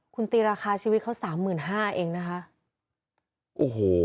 คุณตีราคาชีวิตเขา๓๕๐๐๐บาทเองนะฮะ